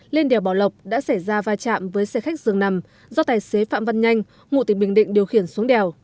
lên đèo bảo lộc đã xảy ra va chạm với xe khách dường nằm do tài xế phạm văn nhanh ngụ tỉnh bình định điều khiển xuống đèo